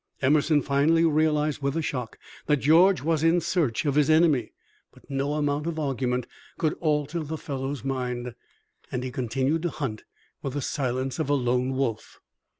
Emerson finally realized with a shock that George was in search of his enemy; but no amount of argument could alter the fellow's mind, and he continued to hunt with the silence of a lone wolf.